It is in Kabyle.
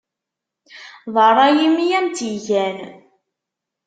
D ṛṛay-im i am-tt-igan.